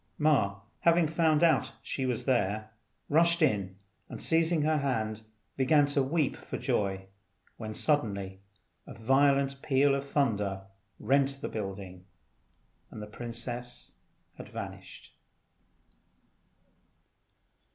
Ma having found out she was there, rushed in and seizing her hand began to weep for joy, when suddenly a violent peal of thunder rent the building, and the princess had vanished.